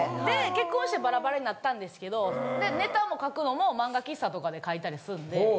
で結婚してバラバラになったんですけどネタも書くのも漫画喫茶とかで書いたりするんで。